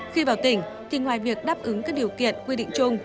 khi vào tỉnh thì ngoài việc đáp ứng các điều kiện quy định chung